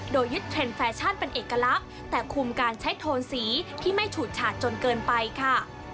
โดยยึดเทรนด์แฟชั่นเป็นเอกลักษณ์แต่คุมการใช้โทนสีที่ไม่ฉูดฉาดจนเกินไปค่ะ